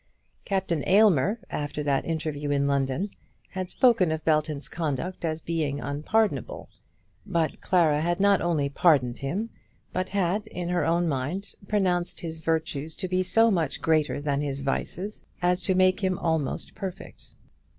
Captain Aylmer after that interview in London had spoken of Belton's conduct as being unpardonable; but Clara had not only pardoned him, but had, in her own mind, pronounced his virtues to be so much greater than his vices as to make him almost perfect.